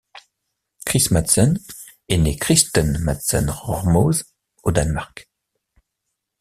Chris Madsen est né Christen Madsen Rørmose au Danemark.